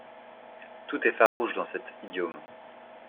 Tout est farouche dans cet idiome.